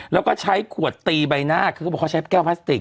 แล้วก็ใช้ขวดตีใบหน้าคือเขาบอกเขาใช้แก้วพลาสติก